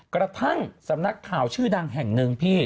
กระทั่งสำนักข่าวชื่อดังแห่งหนึ่งพี่